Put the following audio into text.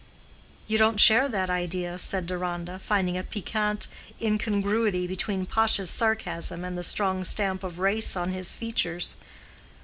"You don't share that idea?" said Deronda, finding a piquant incongruity between Pash's sarcasm and the strong stamp of race on his features.